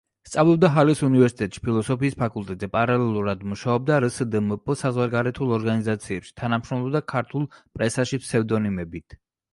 სწავლობდა ჰალეს უნივერსიტეტში, ფილოსოფიის ფაკულტეტზე; პარალელურად მუშაობდა რსდმპ საზღვარგარეთულ ორგანიზაციებში, თანამშრომლობდა ქართულ პრესაში ფსევდონიმებით.